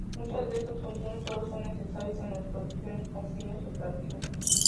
Muchas de esas funciones sólo son necesarias en las producciones con fines lucrativos.